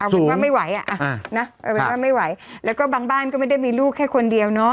สูงอะเอาเป็นว่าไม่ไหวแล้วก็บางบ้านก็ไม่ได้มีลูกแค่คนเดียวเนอะ